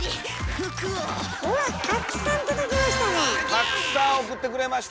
たくさん送ってくれました。